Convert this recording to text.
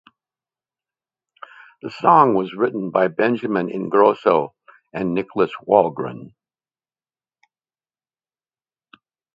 The song was written by Benjamin Ingrosso and Niklas Wahlgren.